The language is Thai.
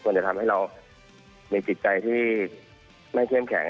จะทำให้เรามีจิตใจที่ไม่เข้มแข็ง